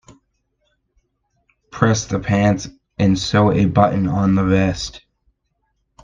Press the pants and sew a button on the vest.